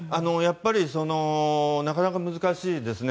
なかなか難しいですね。